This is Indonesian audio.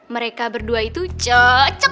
mereka berdua itu cocok